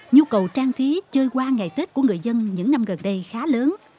nhu cầu trang trí chơi qua ngày tết của người dân những năm gần đây khá lớn